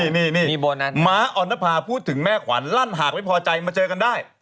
นี่ม้าออนภาพูดถึงแม่ขวัญลั่นหากไม่พอใจมาเจอกันได้